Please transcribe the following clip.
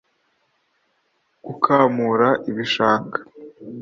gukamura ibishanga